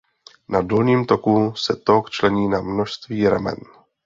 Na dolním toku se tok člení na množství ramen.